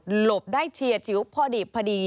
หลบได้เชียร์ชีวิตพอดิบพอดี